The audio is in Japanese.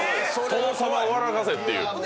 殿様を笑かせっていう。